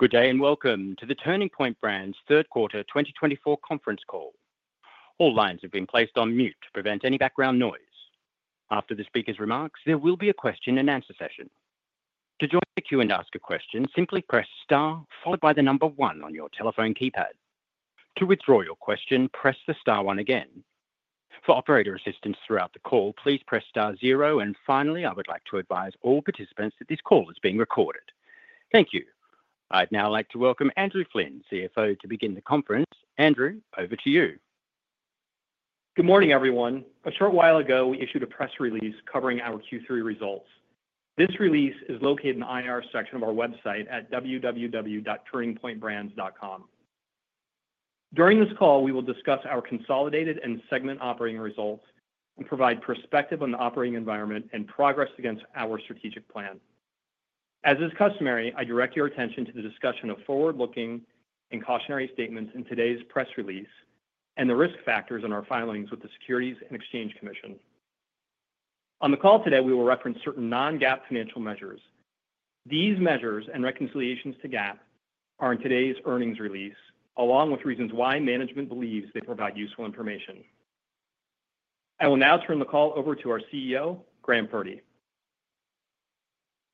Good day and welcome to the Turning Point Brands third quarter 2024 conference call. All lines have been placed on mute to prevent any background noise. After the speaker's remarks, there will be a question and answer session. To join the queue and ask a question, simply press star followed by the number one on your telephone keypad. To withdraw your question, press the star one again. For operator assistance throughout the call, please press star zero. And finally, I would like to advise all participants that this call is being recorded. Thank you. I'd now like to welcome Andrew Flynn, CFO, to begin the conference. Andrew, over to you. Good morning, everyone. A short while ago, we issued a press release covering our Q3 results. This release is located in the IR section of our website at www.turningpointbrands.com. During this call, we will discuss our consolidated and segment operating results and provide perspective on the operating environment and progress against our strategic plan. As is customary, I direct your attention to the discussion of forward-looking and cautionary statements in today's press release and the risk factors in our filings with the Securities and Exchange Commission. On the call today, we will reference certain non-GAAP financial measures. These measures and reconciliations to GAAP are in today's earnings release, along with reasons why management believes they provide useful information. I will now turn the call over to our CEO, Graham Purdy.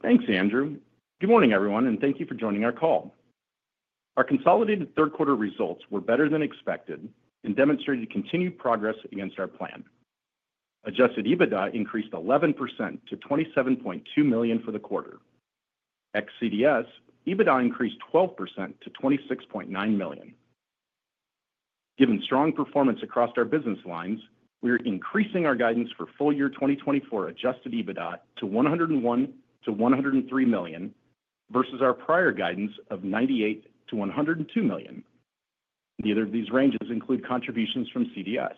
Thanks, Andrew. Good morning, everyone, and thank you for joining our call. Our consolidated third quarter results were better than expected and demonstrated continued progress against our plan. Adjusted EBITDA increased 11% to $27.2 million for the quarter. At CDS, EBITDA increased 12% to $26.9 million. Given strong performance across our business lines, we are increasing our guidance for full year 2024 adjusted EBITDA to $101-$103 million versus our prior guidance of $98-$102 million. Neither of these ranges include contributions from CDS.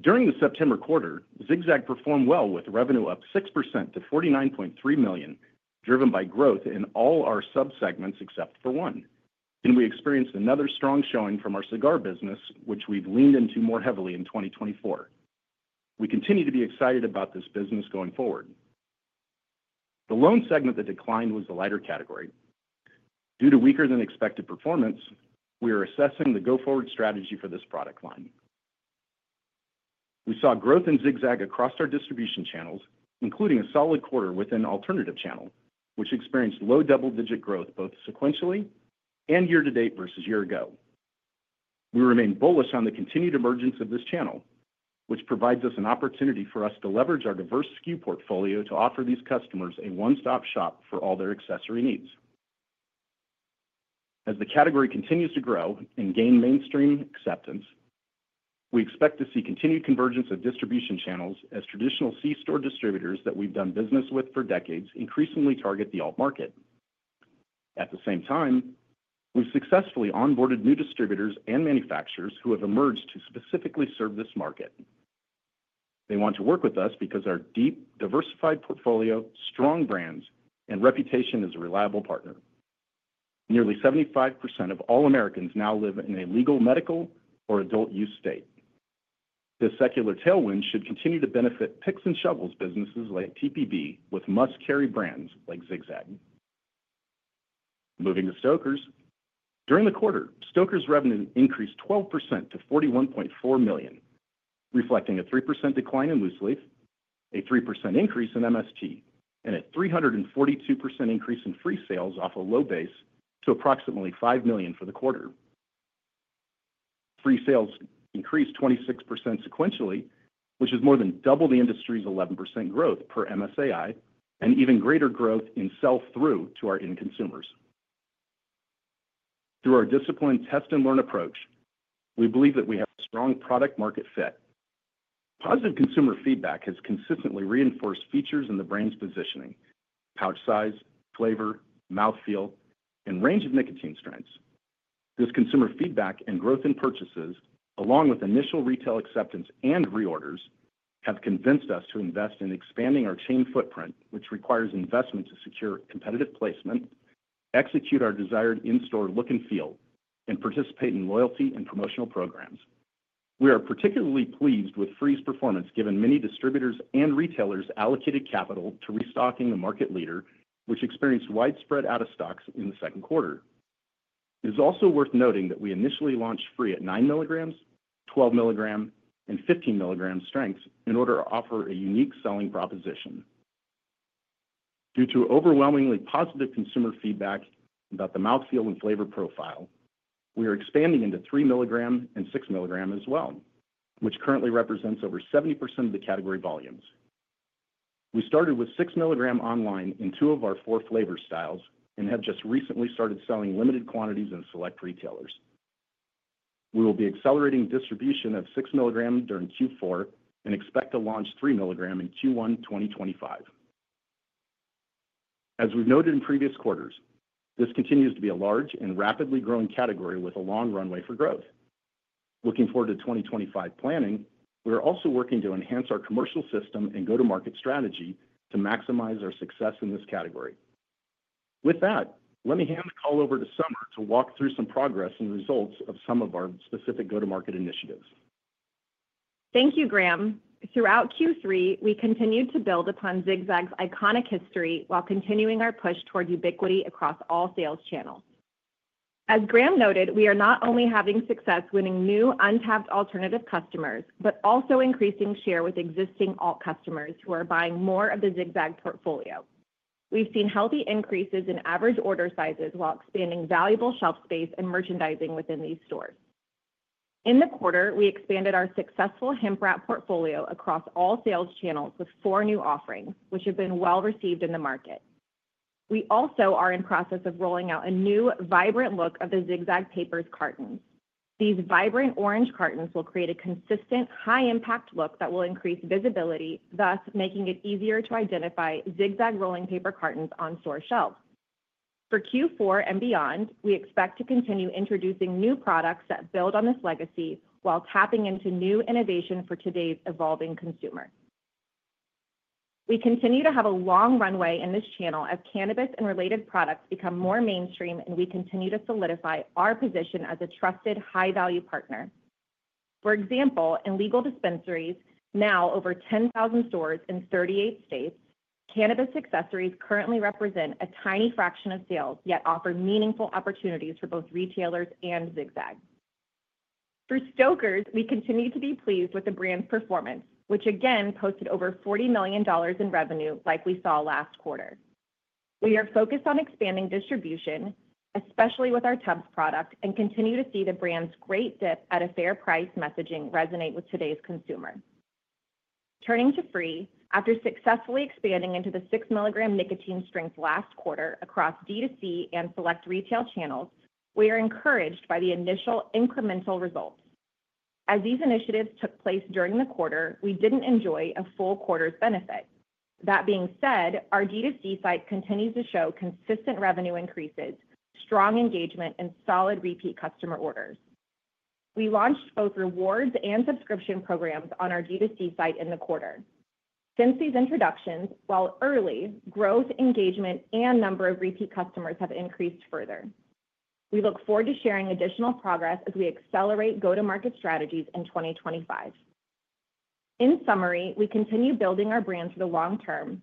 During the September quarter, Zig-Zag performed well with revenue up 6% to $49.3 million, driven by growth in all our subsegments except for one. And we experienced another strong showing from our cigar business, which we've leaned into more heavily in 2024. We continue to be excited about this business going forward. The one segment that declined was the lighter category. Due to weaker than expected performance, we are assessing the go-forward strategy for this product line. We saw growth in Zig-Zag across our distribution channels, including a solid quarter within alternative channel, which experienced low double-digit growth both sequentially and year-to-date versus year ago. We remain bullish on the continued emergence of this channel, which provides us an opportunity for us to leverage our diverse SKU portfolio to offer these customers a one-stop shop for all their accessory needs. As the category continues to grow and gain mainstream acceptance, we expect to see continued convergence of distribution channels as traditional C-store distributors that we've done business with for decades increasingly target the alt market. At the same time, we've successfully onboarded new distributors and manufacturers who have emerged to specifically serve this market. They want to work with us because our deep, diversified portfolio, strong brands, and reputation as a reliable partner. Nearly 75% of all Americans now live in a legal medical or adult use state. This secular tailwind should continue to benefit picks and shovels businesses like TPB with must-carry brands like Zig-Zag. Moving to Stoker's. During the quarter, Stoker's revenue increased 12% to $41.4 million, reflecting a 3% decline in loose leaf, a 3% increase in MST, and a 342% increase in FRE sales off a low base to approximately $5 million for the quarter. FRE sales increased 26% sequentially, which is more than double the industry's 11% growth per MSAI and even greater growth in sell-through to our end consumers. Through our disciplined test-and-learn approach, we believe that we have a strong product-market fit. Positive consumer feedback has consistently reinforced features in the brand's positioning: pouch size, flavor, mouthfeel, and range of nicotine strengths. This consumer feedback and growth in purchases, along with initial retail acceptance and reorders, have convinced us to invest in expanding our chain footprint, which requires investment to secure competitive placement, execute our desired in-store look and feel, and participate in loyalty and promotional programs. We are particularly pleased with FRE's performance given many distributors and retailers allocated capital to restocking the market leader, which experienced widespread out-of-stocks in the second quarter. It is also worth noting that we initially launched FRE at nine milligrams, 12 milligram, and 15 milligram strengths in order to offer a unique selling proposition. Due to overwhelmingly positive consumer feedback about the mouthfeel and flavor profile, we are expanding into 3 milligram and 6 milligram as well, which currently represents over 70% of the category volumes. We started with 6 milligram online in two of our four flavor styles and have just recently started selling limited quantities in select retailers. We will be accelerating distribution of 6 milligram during Q4 and expect to launch 3 milligram in Q1 2025. As we've noted in previous quarters, this continues to be a large and rapidly growing category with a long runway for growth. Looking forward to 2025 planning, we are also working to enhance our commercial system and go-to-market strategy to maximize our success in this category. With that, let me hand the call over to Summer to walk through some progress and results of some of our specific go-to-market initiatives. Thank you, Graham. Throughout Q3, we continued to build upon Zig-Zag's iconic history while continuing our push toward ubiquity across all sales channels. As Graham noted, we are not only having success winning new untapped alternative customers, but also increasing share with existing alt customers who are buying more of the Zig-Zag portfolio. We've seen healthy increases in average order sizes while expanding valuable shelf space and merchandising within these stores. In the quarter, we expanded our successful hemp wrap portfolio across all sales channels with four new offerings, which have been well received in the market. We also are in process of rolling out a new vibrant look of the Zig-Zag Papers cartons. These vibrant orange cartons will create a consistent high-impact look that will increase visibility, thus making it easier to identify Zig-Zag rolling paper cartons on store shelves. For Q4 and beyond, we expect to continue introducing new products that build on this legacy while tapping into new innovation for today's evolving consumer. We continue to have a long runway in this channel as cannabis and related products become more mainstream, and we continue to solidify our position as a trusted high-value partner. For example, in legal dispensaries, now over 10,000 stores in 38 states, cannabis accessories currently represent a tiny fraction of sales, yet offer meaningful opportunities for both retailers and Zig-Zag. For Stoker's, we continue to be pleased with the brand's performance, which again posted over $40 million in revenue like we saw last quarter. We are focused on expanding distribution, especially with our Tubbs product, and continue to see the brand's great dip at a fair price messaging resonate with today's consumer. Turning to FRE, after successfully expanding into the six milligram nicotine strength last quarter across D2C and select retail channels, we are encouraged by the initial incremental results. As these initiatives took place during the quarter, we didn't enjoy a full quarter's benefit. That being said, our D2C site continues to show consistent revenue increases, strong engagement, and solid repeat customer orders. We launched both rewards and subscription programs on our D2C site in the quarter. Since these introductions, while early, growth, engagement, and number of repeat customers have increased further. We look forward to sharing additional progress as we accelerate go-to-market strategies in 2025. In summary, we continue building our brand for the long term,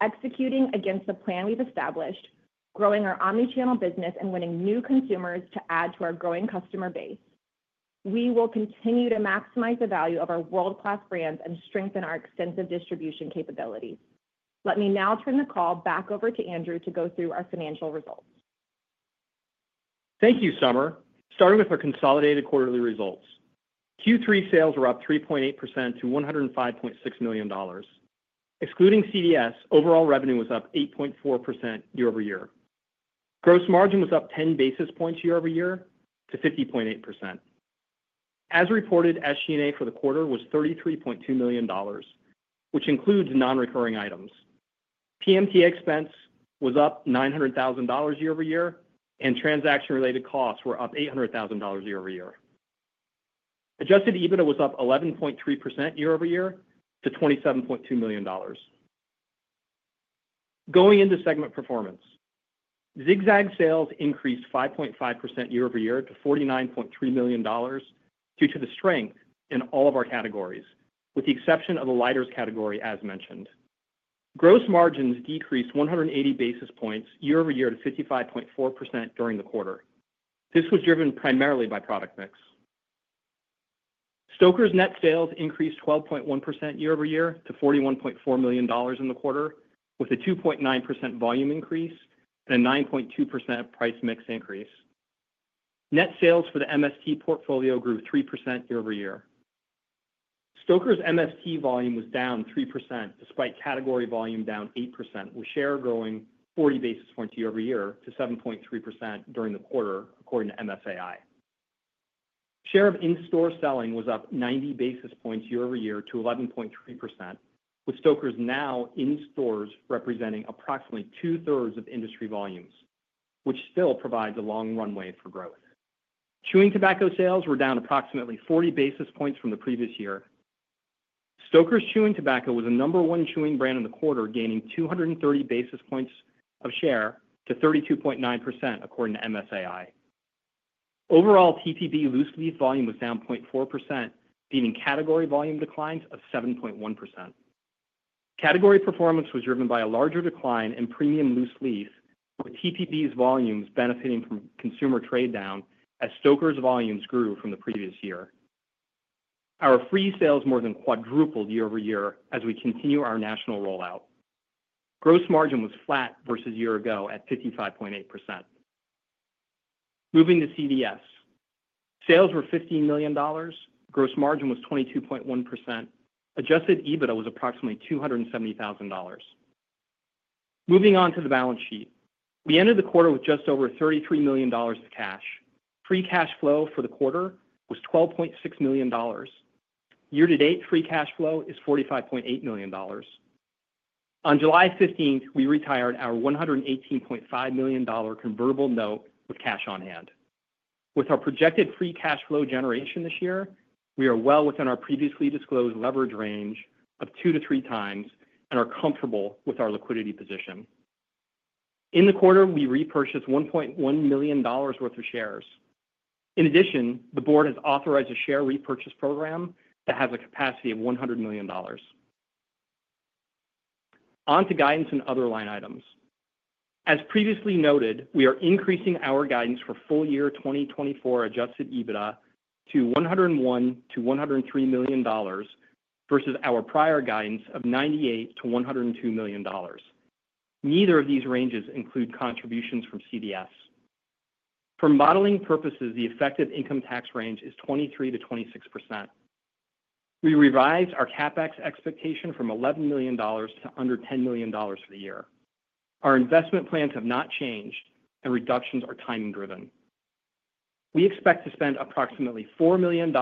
executing against the plan we've established, growing our omnichannel business, and winning new consumers to add to our growing customer base. We will continue to maximize the value of our world-class brands and strengthen our extensive distribution capabilities. Let me now turn the call back over to Andrew to go through our financial results. Thank you, Summer. Starting with our consolidated quarterly results, Q3 sales were up 3.8% to $105.6 million. Excluding CDS, overall revenue was up 8.4% year-over-year. Gross margin was up 10 basis points year-over-year to 50.8%. As reported, SG&A for the quarter was $33.2 million, which includes non-recurring items. PMTA expense was up $900,000 year-over-year, and transaction-related costs were up $800,000 year-over-year. Adjusted EBITDA was up 11.3% year-over-year to $27.2 million. Going into segment performance, Zig-Zag sales increased 5.5% year-over-year to $49.3 million due to the strength in all of our categories, with the exception of the lighter category, as mentioned. Gross margins decreased 180 basis points year-over-year to 55.4% during the quarter. This was driven primarily by product mix. Stoker's net sales increased 12.1% year-over-year to $41.4 million in the quarter, with a 2.9% volume increase and a 9.2% price mix increase. Net sales for the MST portfolio grew 3% year-over-year. Stoker's MST volume was down 3% despite category volume down 8%, with share growing 40 basis points year-over-year to 7.3% during the quarter, according to MSAI. Share of in-store selling was up 90 basis points year-over-year to 11.3%, with Stoker's now in stores representing approximately two-thirds of industry volumes, which still provides a long runway for growth. Chewing tobacco sales were down approximately 40 basis points from the previous year. Stoker's chewing tobacco was the number one chewing brand in the quarter, gaining 230 basis points of share to 32.9%, according to MSAI. Overall, TPB loose leaf volume was down 0.4%, beating category volume declines of 7.1%. Category performance was driven by a larger decline in premium loose leaf, with TPB's volumes benefiting from consumer trade down as Stoker's volumes grew from the previous year. Our FRE sales more than quadrupled year-over-year as we continue our national rollout. Gross margin was flat versus year ago at 55.8%. Moving to CDS, sales were $15 million. Gross margin was 22.1%. Adjusted EBITDA was approximately $270,000. Moving on to the balance sheet, we ended the quarter with just over $33 million of cash. FRE cash flow for the quarter was $12.6 million. Year-to-date FRE cash flow is $45.8 million. On July 15th, we retired our $118.5 million convertible note with cash on hand. With our projected FRE cash flow generation this year, we are well within our previously disclosed leverage range of two to three times and are comfortable with our liquidity position. In the quarter, we repurchased $1.1 million worth of shares. In addition, the board has authorized a share repurchase program that has a capacity of $100 million. On to guidance and other line items. As previously noted, we are increasing our guidance for full year 2024 Adjusted EBITDA to $101-$103 million versus our prior guidance of $98-$102 million. Neither of these ranges include contributions from CDS. For modeling purposes, the effective income tax range is 23%-26%. We revised our CapEx expectation from $11 million to under $10 million for the year. Our investment plans have not changed, and reductions are timing-driven. We expect to spend approximately $4 million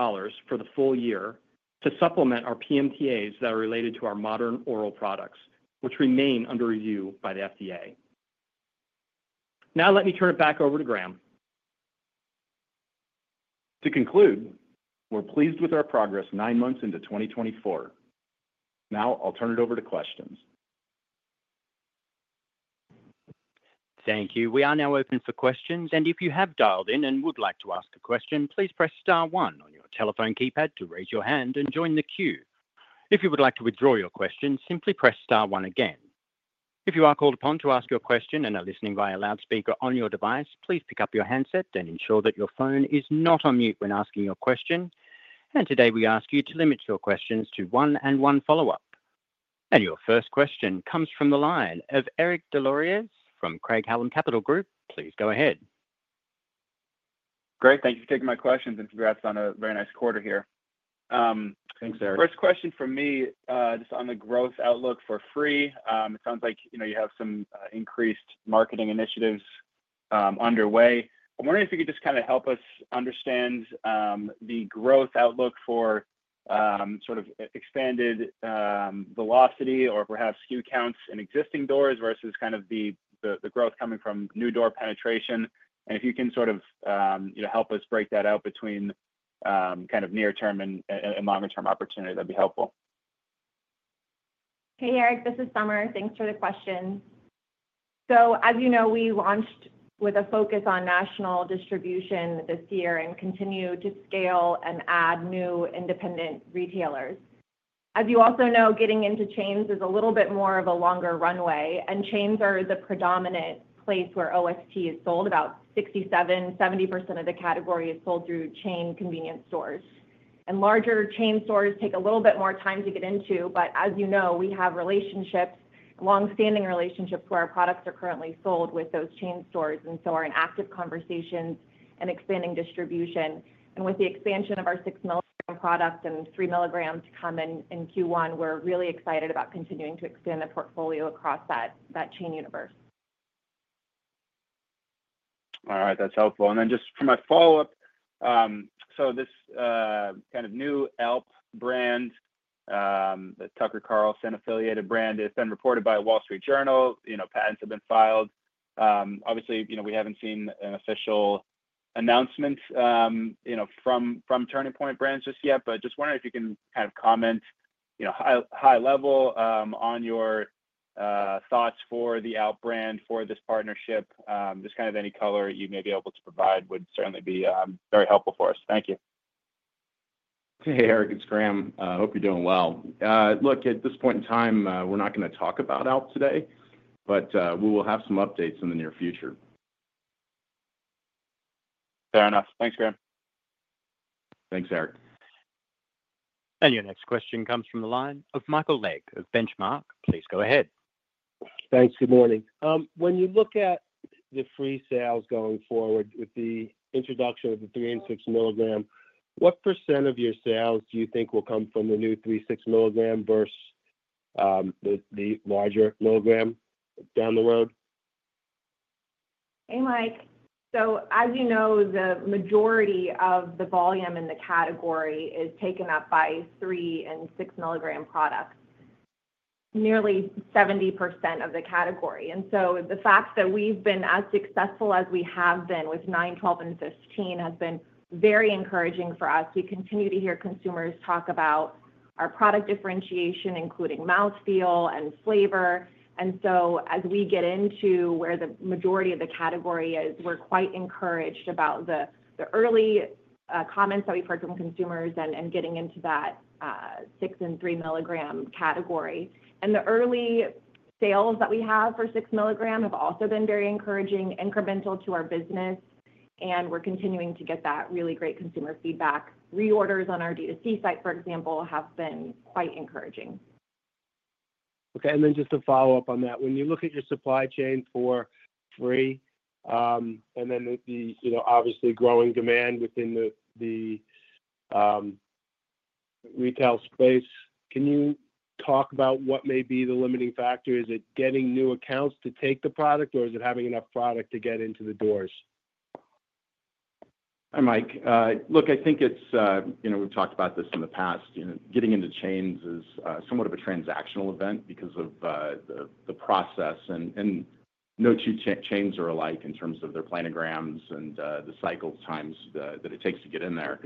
for the full year to supplement our PMTAs that are related to our Modern Oral products, which remain under review by the FDA. Now, let me turn it back over to Graham. To conclude, we're pleased with our progress nine months into 2024. Now, I'll turn it over to questions. Thank you. We are now open for questions. And if you have dialed in and would like to ask a question, please press star one on your telephone keypad to raise your hand and join the queue. If you would like to withdraw your question, simply press star one again. If you are called upon to ask your question and are listening via loudspeaker on your device, please pick up your handset and ensure that your phone is not on mute when asking your question. And today, we ask you to limit your questions to one and one follow-up. And your first question comes from the line of Eric Des Lauriers from Craig-Hallum Capital Group. Please go ahead. Great. Thank you for taking my questions and congrats on a very nice quarter here. Thanks, Eric. First question for me just on the growth outlook for FRE. It sounds like you have some increased marketing initiatives underway. I'm wondering if you could just kind of help us understand the growth outlook for sort of expanded velocity or perhaps SKU counts in existing doors versus kind of the growth coming from new door penetration, and if you can sort of help us break that out between kind of near-term and longer-term opportunity, that'd be helpful. Hey, Eric. This is Summer. Thanks for the question. So, as you know, we launched with a focus on national distribution this year and continue to scale and add new independent retailers. As you also know, getting into chains is a little bit more of a longer runway, and chains are the predominant place where OST is sold. About 67%-70% of the category is sold through chain convenience stores, and larger chain stores take a little bit more time to get into, but as you know, we have relationships, long-standing relationships where our products are currently sold with those chain stores, and so our active conversations and expanding distribution, and with the expansion of our 6 milligram product and 3 milligram to come in Q1, we're really excited about continuing to expand the portfolio across that chain universe. All right. That's helpful. And then just for my follow-up, so this kind of new ALP brand, the Tucker Carlson-affiliated brand, has been reported by Wall Street Journal. Patents have been filed. Obviously, we haven't seen an official announcement from Turning Point Brands just yet. But just wondering if you can kind of comment high level on your thoughts for the ALP brand for this partnership. Just kind of any color you may be able to provide would certainly be very helpful for us. Thank you. Hey, Eric. It's Graham. I hope you're doing well. Look, at this point in time, we're not going to talk about ALP today, but we will have some updates in the near future. Fair enough. Thanks, Graham. Thanks, Eric. Your next question comes from the line of Michael Legg of Benchmark. Please go ahead. Thanks. Good morning. When you look at the FRE sales going forward with the introduction of the 3and 6 milligram, what % of your sales do you think will come from the new 3 and 6 milligram versus the larger milligram down the road? Hey, Michael. So, as you know, the majority of the volume in the category is taken up by 3 and 6 milligram products, nearly 70% of the category. And so the fact that we've been as successful as we have been with 9, 12, and 15 has been very encouraging for us. We continue to hear consumers talk about our product differentiation, including mouthfeel and flavor. And so, as we get into where the majority of the category is, we're quite encouraged about the early comments that we've heard from consumers and getting into that 6 and 3 milligram category. And the early sales that we have for 6 milligram have also been very encouraging, incremental to our business. And we're continuing to get that really great consumer feedback. Reorders on our D2C site, for example, have been quite encouraging. Okay. And then just to follow up on that, when you look at your supply chain for FRE, and then obviously growing demand within the retail space, can you talk about what may be the limiting factor? Is it getting new accounts to take the product, or is it having enough product to get into the doors? Hi, Michael. Look, I think we've talked about this in the past. Getting into chains is somewhat of a transactional event because of the process, and no two chains are alike in terms of their planograms and the cycle of times that it takes to get in there.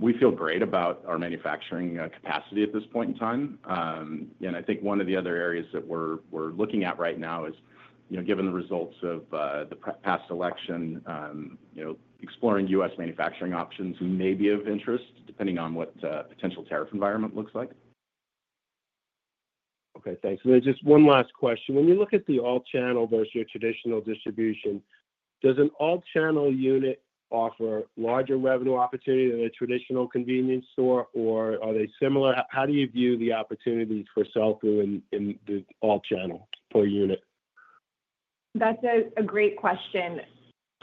We feel great about our manufacturing capacity at this point in time, and I think one of the other areas that we're looking at right now is, given the results of the past election, exploring U.S. manufacturing options may be of interest, depending on what the potential tariff environment looks like. Okay. Thanks. And then just one last question. When you look at the Alt Channel versus your traditional distribution, does an Alt Channel unit offer larger revenue opportunity than a traditional convenience store, or are they similar? How do you view the opportunities for sell-through in the Alt Channel per unit? That's a great question.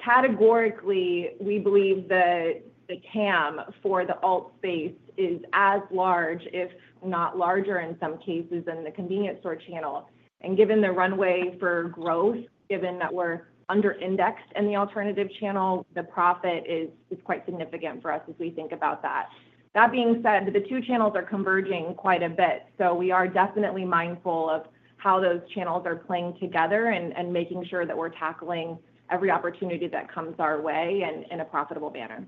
Categorically, we believe the TAM for the alt space is as large, if not larger in some cases, than the convenience store channel. And given the runway for growth, given that we're under-indexed in the alternative channel, the profit is quite significant for us as we think about that. That being said, the two channels are converging quite a bit. So we are definitely mindful of how those channels are playing together and making sure that we're tackling every opportunity that comes our way in a profitable manner.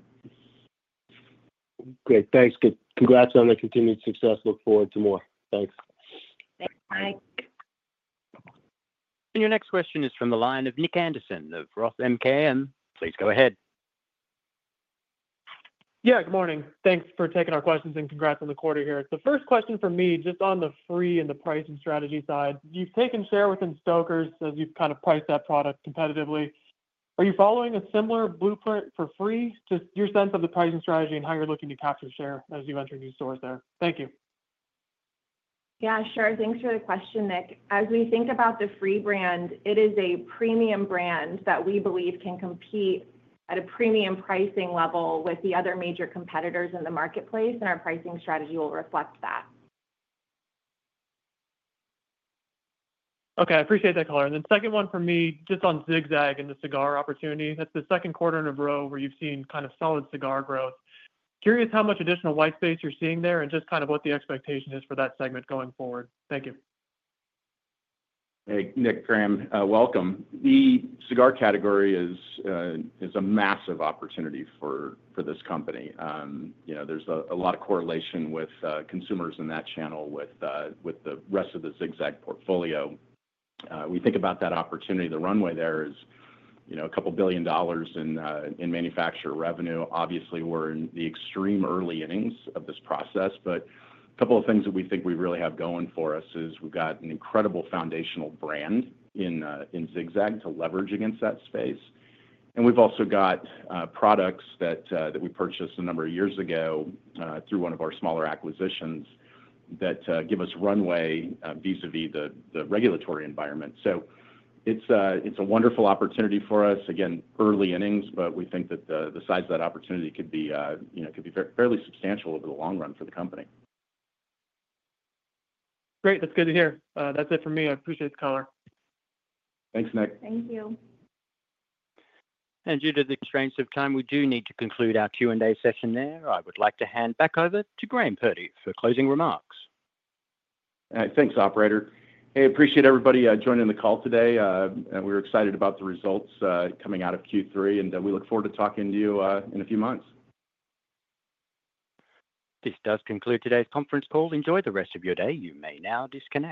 Great. Thanks. Congrats on the continued success. Look forward to more. Thanks. Thanks. Bye. Your next question is from the line of Nick Anderson of Roth Capital Markets. Please go ahead. Yeah. Good morning. Thanks for taking our questions and congrats on the quarter here. The first question for me, just on the FRE and the pricing strategy side, you've taken share within Stoker's as you've kind of priced that product competitively. Are you following a similar blueprint for FRE? Just your sense of the pricing strategy and how you're looking to capture share as you enter new stores there. Thank you. Yeah. Sure. Thanks for the question, Nick. As we think about the FRE brand, it is a premium brand that we believe can compete at a premium pricing level with the other major competitors in the marketplace, and our pricing strategy will reflect that. Okay. I appreciate that, Clara. And then second one for me, just on Zig-Zag in the cigar opportunity. That's the second quarter in a row where you've seen kind of solid cigar growth. Curious how much additional white space you're seeing there and just kind of what the expectation is for that segment going forward. Thank you. Hey, Nick, Graham, welcome. The cigar category is a massive opportunity for this company. There's a lot of correlation with consumers in that channel with the rest of the Zig-Zag portfolio. We think about that opportunity. The runway there is $2 billion in manufacturer revenue. Obviously, we're in the extreme early innings of this process. But a couple of things that we think we really have going for us is we've got an incredible foundational brand in Zig-Zag to leverage against that space. And we've also got products that we purchased a number of years ago through one of our smaller acquisitions that give us runway vis-à-vis the regulatory environment. So it's a wonderful opportunity for us. Again, early innings, but we think that the size of that opportunity could be fairly substantial over the long run for the company. Great. That's good to hear. That's it for me. I appreciate it, Clara. Thanks, Nick. Thank you. Due to the constraints of time, we do need to conclude our Q&A session there. I would like to hand back over to Graham Purdy for closing remarks. All right. Thanks, operator. Hey, appreciate everybody joining the call today. We're excited about the results coming out of Q3, and we look forward to talking to you in a few months. This does conclude today's conference call. Enjoy the rest of your day. You may now disconnect.